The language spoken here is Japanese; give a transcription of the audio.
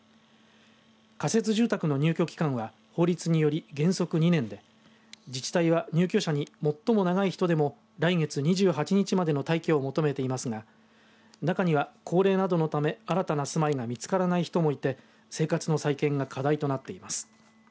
仮設住宅の入居期間は法律により原則２年で自治体は入居者に最も長い人でも来月２８日までの退去を求めていますが中には高齢などのため新たな住まいが見つからない人もいて生活の再建が課題となっています。